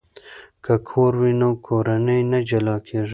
که کور وي نو کورنۍ نه جلا کیږي.